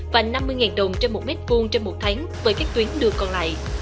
và năm mươi đồng trên một mét vuông trên một tháng với các tuyến đường còn lại